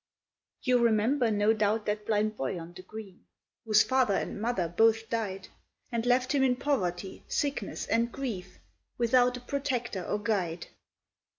"You remember, no doubt, that blind boy on the green, Whose father and mother both died, And left him in poverty, sickness, and grief, Without a protector or guide.